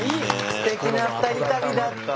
すてきな二人旅だった。